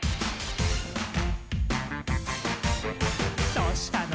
「どうしたの？